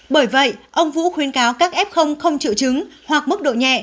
bởi vậy ông vũ khuyên cáo các f không triệu chứng hoặc mức độ nhẹ